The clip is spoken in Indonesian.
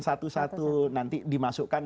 satu satu nanti dimasukkan